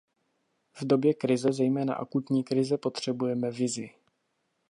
V době krize, zejména akutní krize, potřebujeme vizi.